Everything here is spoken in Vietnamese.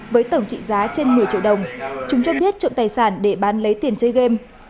với tổng trị giá trên một mươi triệu đồng chúng cho biết trộm tài sản để bán lấy tiền chơi game